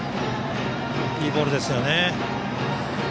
いいボールですね。